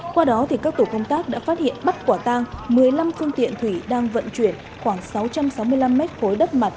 qua đó các tổ công tác đã phát hiện bắt quả tang một mươi năm phương tiện thủy đang vận chuyển khoảng sáu trăm sáu mươi năm mét khối đất mặt